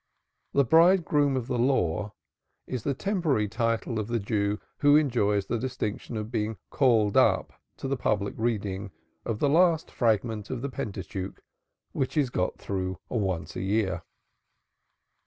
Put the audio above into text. The Bridegroom of the Law is the temporary title of the Jew who enjoys the distinction of being "called up" to the public reading of the last fragment of the Pentateuch, which is got through once a year.